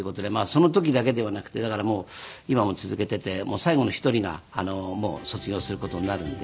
その時だけではなくてだからもう今も続けていて最後の１人がもう卒業する事になるんで。